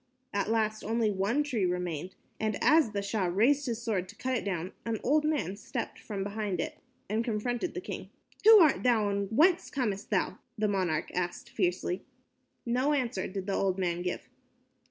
At last only one tree remained, and as the Shah raised his sword to cut it down, an old man stepped from behind it and confronted the king. "Who art thou, and whence camest thou?" the monarch asked fiercely. No answer did the old man make.